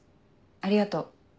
ありがとう。